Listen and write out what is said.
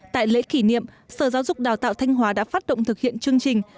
tại lễ kỷ niệm sở giáo dục đào tạo thanh hóa đã phát động thực hiện chương trình